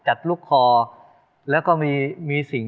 ตราบที่ทุกลมหายใจขึ้นหอดแต่ไอ้นั้น